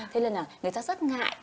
thế nên là người ta rất ngại